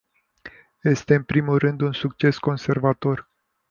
Este în primul rând un succes conservator.